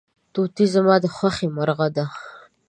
توتي زما د خوښې مرغه دی.